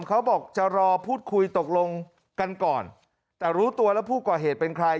เขาบอกจะรอพูดคุยตกลงกันก่อนแต่รู้ตัวแล้วผู้ก่อเหตุเป็นใคร